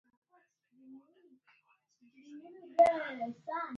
Viewership on the island is estimated to be a third of one percent.